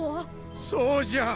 そうじゃ。